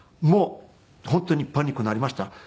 もう本当にパニックなりました。